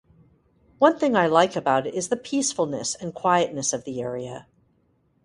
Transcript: One thing I like about it is the peacefulness and quietness of the area.